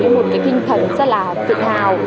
một cái kinh thần rất là tự hào